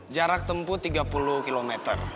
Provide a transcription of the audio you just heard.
jarak tempuh tiga puluh km